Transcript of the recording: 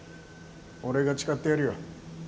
俺が誓ってやるよ。